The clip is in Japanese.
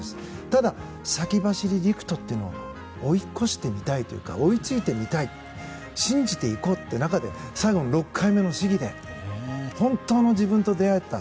ただ、先走り陸斗というのを追い越してみたい追いついてみたい信じていこうという中で最後の６回目の試技で本当の自分と出会えた。